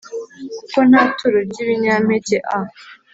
kuko nta turo ry ibinyampeke a